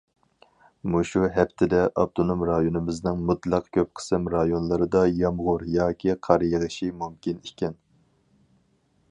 مۇشۇ ھەپتىدە ئاپتونوم رايونىمىزنىڭ مۇتلەق كۆپ قىسىم رايونلىرىدا يامغۇر ياكى قار يېغىشى مۇمكىن ئىكەن.